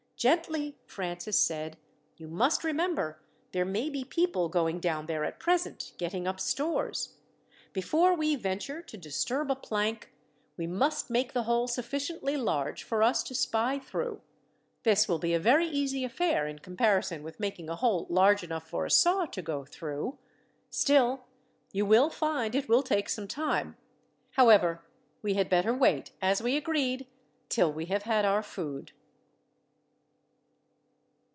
"Gently!" Francis said. "You must remember, there may be people going down there at present, getting up stores. Before we venture to disturb a plank, we must make the hole sufficiently large for us to spy through. This will be a very easy affair, in comparison with making a hole large enough for a saw to go through. Still, you will find it will take some time. However, we had better wait, as we agreed, till we have had our food."